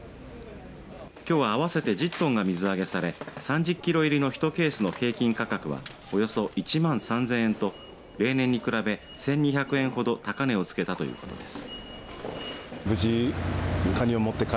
きょうは合わせて１０トンが水揚げされ３０キロ入りの１ケースの平均価格はおよそ１万３０００円と例年に比べ１２００円ほど高値を付けたということです。